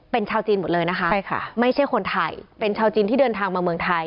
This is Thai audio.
เป็นชาวจีนหมดเลยนะคะใช่ค่ะไม่ใช่คนไทยเป็นชาวจีนที่เดินทางมาเมืองไทย